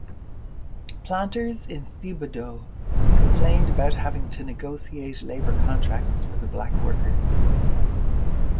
Planters in Thibodaux complained about having to negotiate labor contracts for the black workers.